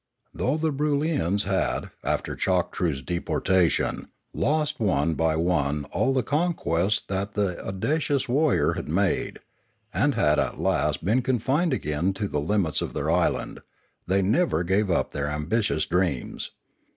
Though the Broolyians had, after Chok troo's deportation, lost one by one all the conquests that that audacious warrior had made, and had at last been confined again to the limits of their island, they never gave up their ambitious dreams.